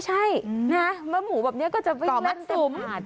ใช่นะมันหมูแบบนี้ก็จะวิ่งเล่นเต็มผ่าน